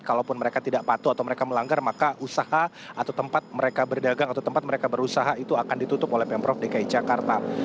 kalaupun mereka tidak patuh atau mereka melanggar maka usaha atau tempat mereka berdagang atau tempat mereka berusaha itu akan ditutup oleh pemprov dki jakarta